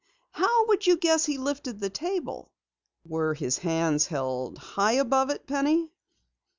How would you guess he lifted the table?" "Were his hands held high above it, Penny?"